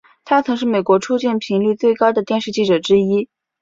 他曾是美国出境频率最高的电视记者之一。